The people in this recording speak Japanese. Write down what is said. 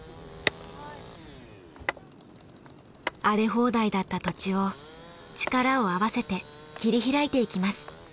荒れ放題だった土地を力を合わせて切り開いていきます。